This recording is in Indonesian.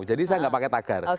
jadi saya gak pakai tagar